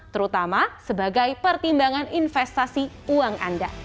terutama sebagai pertimbangan investasi uang anda